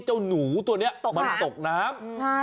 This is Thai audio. เจ้าหนูตัวนี้มันตกน้ำ